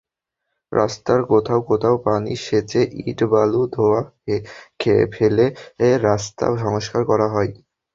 রাস্তার কোথাও কোথাও পানি সেচে ইট-বালু-খোয়া ফেলে রাস্তা সংস্কার করা হয়।